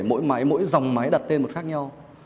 mỗi máy mỗi dòng máy đặt tên một khác nhau